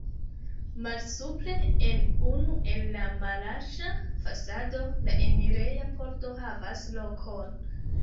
Malsupre en unu el la mallarĝa fasado la enireja pordo havas lokon.